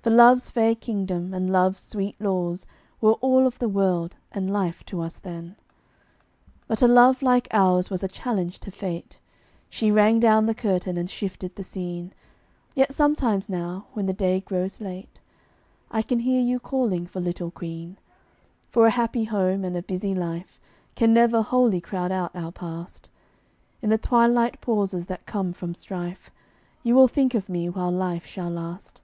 For love's fair kingdom and love's sweet laws Were all of the world and life to us then. But a love like ours was a challenge to Fate; She rang down the curtain and shifted the scene; Yet sometimes now, when the day grows late, I can hear you calling for Little Queen; For a happy home and a busy life Can never wholly crowd out our past; In the twilight pauses that come from strife, You will think of me while life shall last.